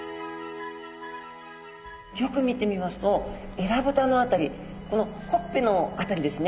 よく見てみますとえらぶたの辺りこのほっぺの辺りですね。